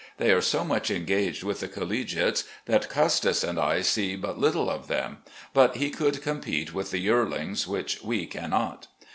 They are so much engaged with the collegiates that Custis and I see but little of them, but he could compete with the yearlings, which we cannot.